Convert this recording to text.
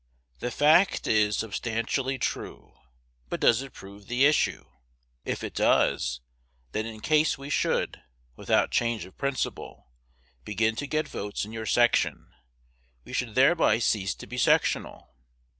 The fact is substantially true; but does it prove the issue? If it does, then in case we should, without change of principle, begin to get votes in your section, we should thereby cease to be sectional.